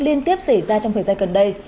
liên tiếp xảy ra trong thời gian gần đây